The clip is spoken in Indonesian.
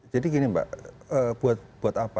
jadi gini mbak buat apa